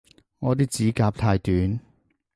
我啲指甲太短